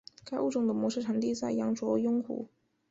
该物种的模式产地在羊卓雍湖。